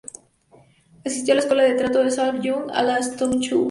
Asistió a la Escuela de Teatro de Sylvia Young y a la Stowe School.